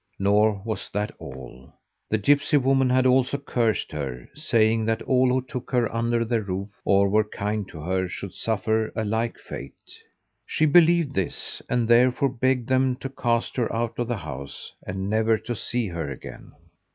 Nor was that all: The gipsy woman had also cursed her, saying that all who took her under their roof or were kind to her should suffer a like fate. She believed this, and therefore begged them to cast her out of the house and never to see her again.